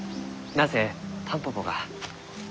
何せタンポポが。